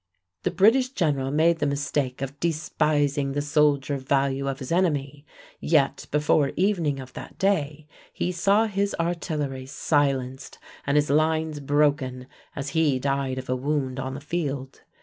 The British general made the mistake of despising the soldier value of his enemy, yet before evening of that day he saw his artillery silenced and his lines broken, as he died of a wound on the field.